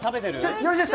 よろしいですか。